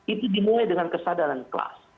itu dimulai dengan kesadaran kelas